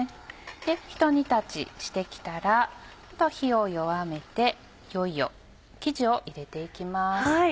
ひと煮立ちして来たら火を弱めていよいよ生地を入れて行きます。